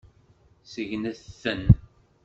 Segnet-ten.